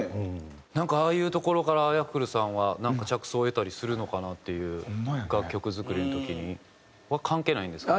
なんかああいうところからＹａｆｆｌｅさんはなんか着想を得たりするのかな？っていう楽曲作りの時に。は関係ないんですかね？